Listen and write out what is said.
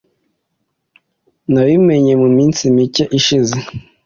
Nabimenye muminsi mike ishize .